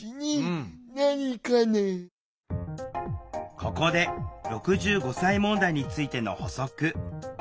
ここで６５歳問題についての補足。